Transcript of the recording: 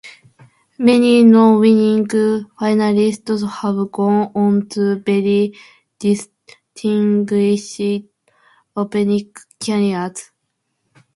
Many non-winning finalists have gone on to very distinguished operatic careers.